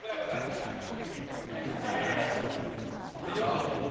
チャンピオン席へどうぞ。